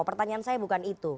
pertanyaan saya bukan itu